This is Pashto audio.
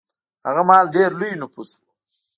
هغه مهال ډېر لوی نفوس و.